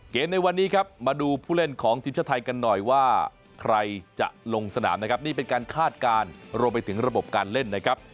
ในวันนี้ครับมาดูผู้เล่นของทีมชาติไทยกันหน่อยว่าใครจะลงสนามนะครับนี่เป็นการคาดการณ์รวมไปถึงระบบการเล่นนะครับ